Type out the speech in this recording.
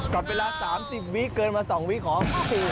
ตอบเวลา๓๐วิกเกินมา๒วิกของคุณ